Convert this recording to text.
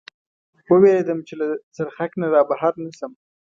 و وېرېدم، چې له څرخک نه را بهر نه شم.